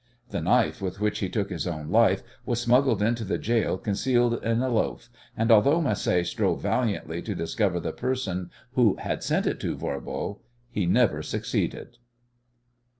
The knife with which he took his own life was smuggled into the gaol concealed in a loaf, and although Macé strove valiantly to discover the person who had sent it to Voirbo he never succeeded.